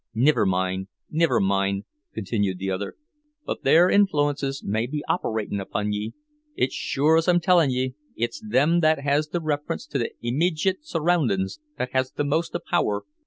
"Niver mind, niver mind," continued the other, "but their influences may be operatin' upon ye; it's shure as I'm tellin' ye, it's them that has the reference to the immejit surroundin's that has the most of power.